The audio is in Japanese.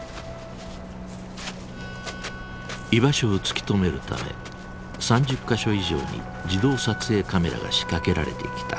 居場所を突き止めるため３０か所以上に自動撮影カメラが仕掛けられてきた。